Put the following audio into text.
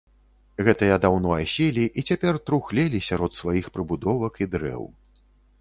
Гэтыя даўно аселі і цяпер трухлелі сярод сваіх прыбудовак і дрэў.